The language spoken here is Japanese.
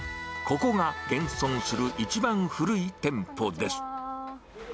ここが現存する一番古い店舗です。